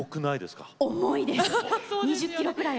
重いです。